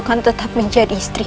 aku akan tetap menjadi istrimu